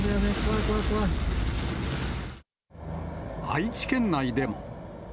愛知県内でも。